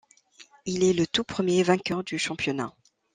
Il est le tout premier vainqueur du championnat.